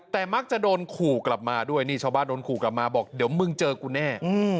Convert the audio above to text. แต่มักจะโดนขู่กลับมาด้วยนี่ชาวบ้านโดนขู่กลับมาบอกเดี๋ยวมึงเจอกูแน่